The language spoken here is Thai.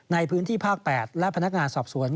ในพื้นที่ภาค๘และพนักงานสอบสวน